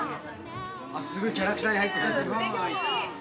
すごいキャラクターに入ってる。